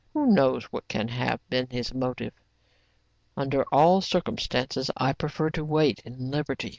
Who knows what can have been his motive ? Under all circumstances, I prefer to wait in liberty.